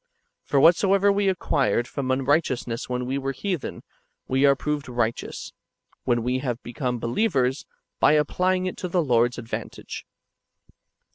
"^ For whatsoever we acquired from unright eousness when we were heathen, we are proved righteous, when we have become believers, by applying it to the Lord's advantage.